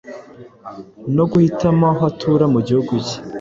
no guhitamo aho atura mu gihugu ke,